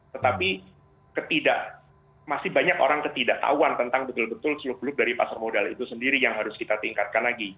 tetapi ketidak masih banyak orang ketidaktahuan tentang betul betul seluk beluk dari pasar modal itu sendiri yang harus kita tingkatkan lagi